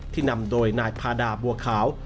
นำโดยนายพาดาบัวขาว